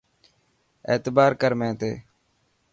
اعتبار ڪر مين تي.